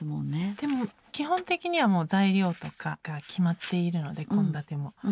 でも基本的にはもう材料とかが決まっているので献立も。